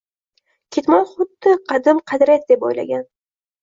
Ketmoq xuddi qadim qadriyat deb o’ylagan